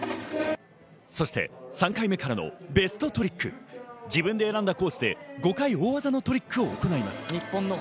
そして３回目からはベストトリック、自分で選んだコースで５回トリックを行います。